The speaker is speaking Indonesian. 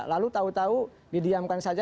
lalu tau tau didiamkan saja